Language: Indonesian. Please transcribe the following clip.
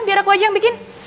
biar aku aja yang bikin